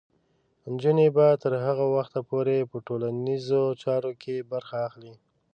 نجونې به تر هغه وخته پورې په ټولنیزو چارو کې برخه اخلي.